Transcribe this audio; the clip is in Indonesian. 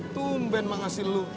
tumben mengasih lu